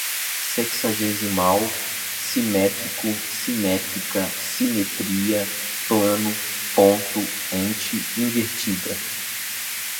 sexagesimal, simétrico, simétrica, simetria, plano, ponto, ente, invertida